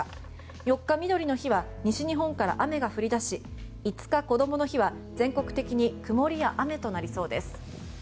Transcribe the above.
４日、みどりの日は西日本から雨が降り出し５日、こどもの日は、全国的に曇りや雨となりそうです。